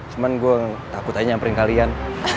cuman gue takut aja nyamperin kalian